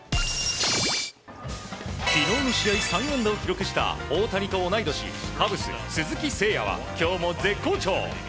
昨日の試合で３安打を記録した大谷と同い年カブス、鈴木誠也は今日も絶好調。